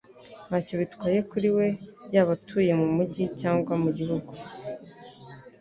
Ntacyo bitwaye kuri we yaba atuye mu mujyi cyangwa mu gihugu.